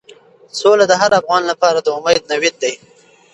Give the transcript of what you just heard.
سوله د هر افغان لپاره د امید نوید دی.